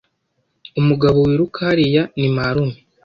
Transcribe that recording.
Umugabo wiruka hariya ni marume.